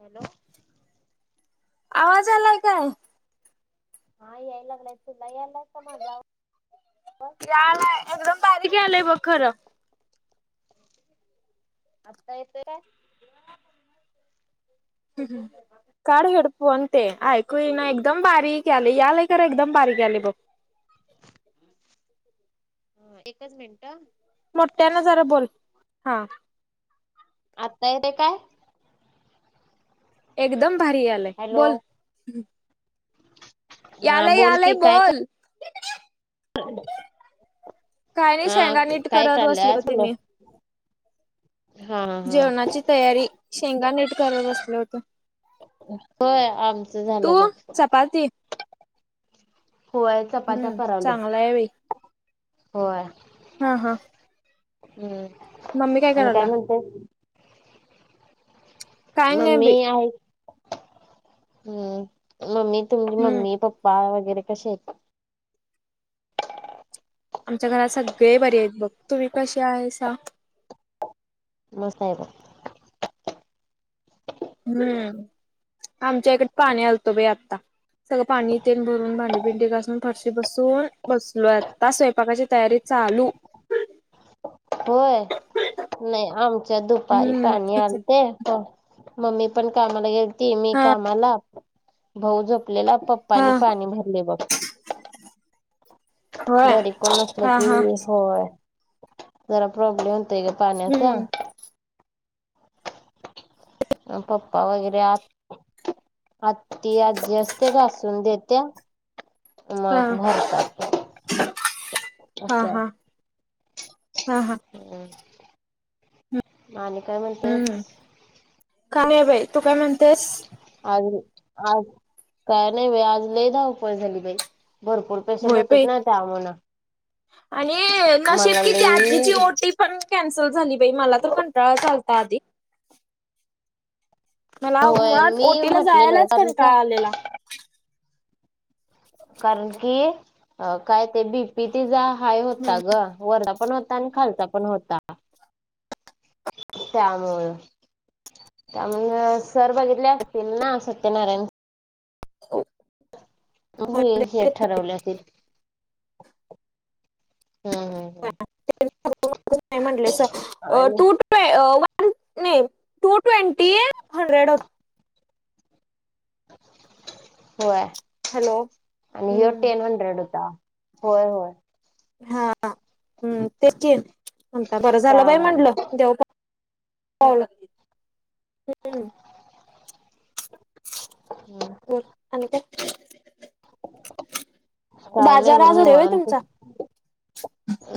Hello! आवाज आलाय काय? हा याय लागलाय तुला यायला माझा आवाज. याला एकदम बारीके आलंय बघ खरं. आता येतो काय? काड हेडफोन ते ऐकू ना एकदम बारीक आले यालाय कर एकदम. बारीक यालय बघ. एकच मिनट. मोठ्यांना जरा बोल हा. आत्ता येतेय काय? एकदम भारी आलाय हॅलो बोल. हा यालय बोल यालय बोल. ह, [inaudible] काय नाही हा, शेंगा नीट काय करत बसले चाललंय होते म्हणलो. मी. हा हा जेवणाची तयारी शेंगा निट करत बसलो होतो. होय आमचं झालं बघ. पाती होय चपात्या हम्म करालोय चांगला आहे बई. होय, हा हा, हम्म मम्मी आणि काय करायल्या? म्हणतेय. काय नाही मम्मी बाई आहे हम मम्मी. तुमची हम्म मम्मी पप्पा वगैरे कसे आहेत? आमच्या घरात सगळे बरी आहेत बघ तुम्ही कसे आहे सा? ममस्त आहे बाई. हम्म आमच्या इकडे पाणी आलतं बाई आता. सगळं पाणी तेन भरून भांडी बिंडी घासून फरशी बसून बसलोय आता स्वयंपाकाची तयारी. चालू. होय नाही आमच्यात दुपारी हम्म पाणी आलते. मम्मी पण कामाला गेलती मी हा कामाला भाऊ झोपलेला पप''--'' हा पप्पांनी पाणी भरलेय बघ. होय घरी कोण नसलं हा की हा होय जरा प्रॉब्लेम होतय ग पाण्याचा. हम्म पप्पा वगैरे आत. आती आज्जी असते घासून देत्या. हा मग भरतात, हा अस आहे. हा हा हा,, हम्,, आणि काय म्हणऽ हम्म,, का नाही बाई,, तू काय म्हणतेस? अरऽ आज, काय नाही बाई, आज लय धावपळ झाली बाई,, भरपूर पेशंट होय बाई होते ना. जाम ना आणि, नशीब कि लई आधीची ओ टी पण कॅन्सलच झाली बाई, मला तर कंटाळा चालता आधी मला, होय मुळात, मी ओटीला म्हटलेलं जायलाच कारण का कंटाळा आलेला. [inaudible] कारण की, काय ते बीपी ते जा हाय होता ग, वर पण होता, आणि खालचा पण होता. त्यामुळ, त्यामुळ सर बघितले असतील ना सत्यनारायण हो, ी हे ठरवल्या ते हम् हम हम् म्हटलय, आणि टू टु न नाही, टू ट्वेंटी हंड्रेड होत. होय,, हॅलो आणि हम्म यटन म्ह ड होता, होय होय. हा्, ह्म, तेच ये म्हणता बरं झालं बाई त्यामुळे म्हटलं, देव पा पावलं. हम्म, हम्, हो, आणी काय? काय नाही बाजार बघ आज देवय निवांत तुमचा?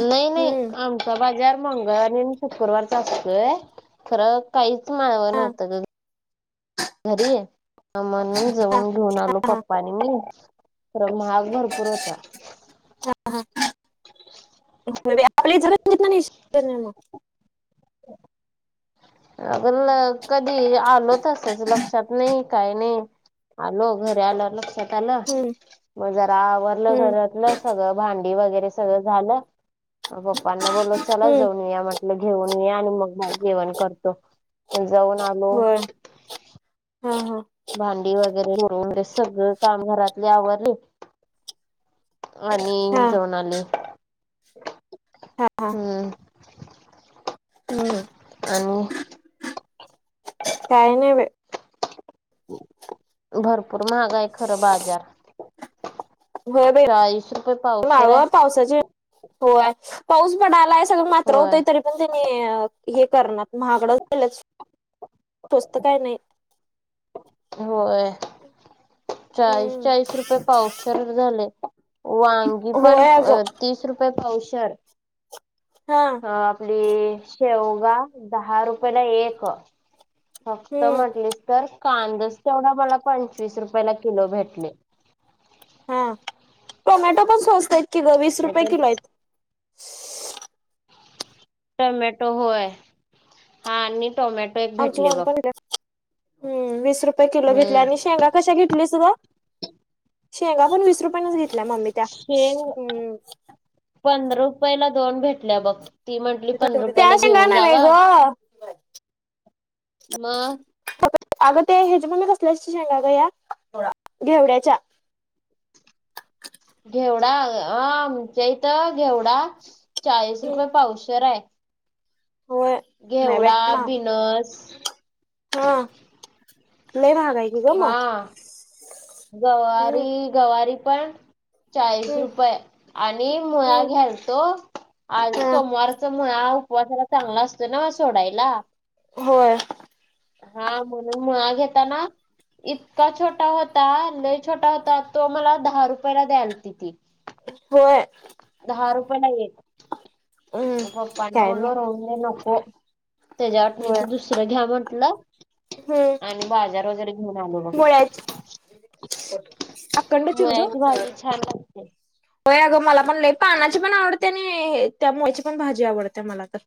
नाही नाही, हम्म आम- बाजार मंगळवारी आणि शुक्रवार चा असतोय खर काहीच माळव हा नव्हतं ग - घरी म्हणून हा जाऊन घेऊन आलो हा पप्पा आणि मी खर महाग भरपूर होता. हा हा आपले [unintelligible] घेउन येशील कणी मग. अग कधी, आलो तसच लक्षात नाही. काही नाही, आलो घरी आलं लक्षात आलं. हम्म मग जरा आवरलं हम्म घरातलं सगळं भांडी वगैरे सगळं झालं. मग पप्पांना बोलत- चला हम्म जाऊन या म्हटलं घेऊन येऊया, आणि मग जेवण करतो मग जाऊन आलो. होय हा हा भांडी वगैरे करून सगळं काम घरातली आवरली. हा आणिन जाऊन आणि, हा हा हम्म हम्म आणि काही नाही बाई. भरपूर महाग हाय खरं बाजार. होय बाई चाळीस रुपये पावशर हाय. माळव पावसाची होय, पाऊस पडलाय सगळ मात्र होय होतय. तरी - पण त्यानी हे करणारत महागडच द्याल्यात. स्वस्त काय नाही. होय चाळीस हम्म -चाळीस रुपये पावशर झालय. वांगी पण होय अगं तीस रुपये पावशर. हा ह आपली शेवगा दहा रुपयला एक. फक्त हम्म म्हटलीस तर कांदच तेवढा मला पंचवीस रुपयला किलो भेटले. हा टोमॅटो पण स्वस्त आहेत की ग वीस रुपये नाहीतर किलो आहेत. टमॅटो होय, हा आणि टोमॅटो- एक आमची भेटले मम्मी बघ पण घेतल्या, हम् वीस रुपये किलो घेतल्या हम्म. आणि शेंगा कशा घेतलीस ग. शेंगा पण वीस रुपयानच घेतल्या मम्मी त्या, शेंग हम्म पंधरा रुपयाला दोन भेटल्या बघ. ती म्हंटली पंधरा त्या रुपयाला शेंगा घेऊन नव्हे जावा, ग मग- अगं ते ह्याच्या मम्मी कसल्या शेंगा ग ह्या घेवड्याच्या. घेवडा, आ आमच्या इथं घेवडा चाळीस रुपये पावशर आहे. होय नाही बाई घेवडा, बिनस हा, लई महाग आहे की ग हा, मग हम्म गवारी, गवारी पण- चाळीस हम्म रुपये, आणि मुळा हम्म घ्यालतो, आज हा सोमवार- च मुळा उपवासाला चांगला असतो न्हव सोडायला. होय हा म्हणून मुळा घेताना इतका छोटा होता लाई छोटा होता तो मला दहा रुपयाला द्यालती ती. होय दहा रुपय ला एक, हम्म मग पप्पांना काय नाही म्हटलो रांहुंदे नको. तेच्या होय वाटणीच दुसरं घ्या म्हंटल हम्म आणि बाजार वगैरे- घेऊन आलो बघ मुळ्याची, अखंड [unintelligible] मुळ्याची भाजी छान लागते. हो अगं मला पण लई पानाची पण आवडत्या आणि त्या मुळेची पण भाजी आवडत्या मला तर.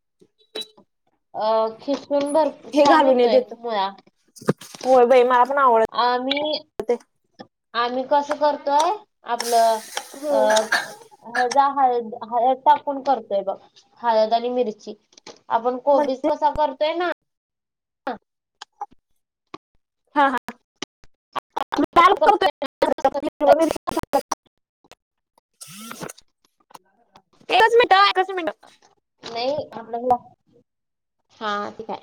अ खिसून भर हे छान घालून हे होतोय देतं मुळा. होय बाई मला पण आवड - आम्ही, आम्ही कसं करतोय आपलं- अ हळद- हळद हळद टाकून करतोय बघ हळद आणि मिरची आपण कोबीस म्हणजे कसा करतोय ना हा हा म कालत [unintelligible] [inaudible] एकच मिनिट -एकच मिनिट नाही आपल्याला. हा ते काय